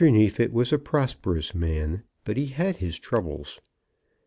Neefit was a prosperous man, but he had his troubles.